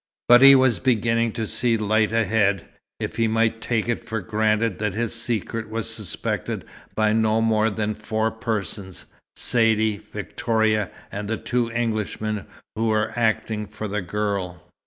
But he was beginning to see light ahead, if he might take it for granted that his secret was suspected by no more than four persons Saidee, Victoria, and the two Englishmen who were acting for the girl.